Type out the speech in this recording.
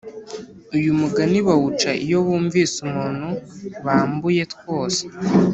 uyu mugani bawuca iyo bumvise umuntu bambuye twose